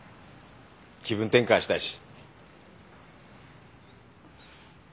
気分転換したいし。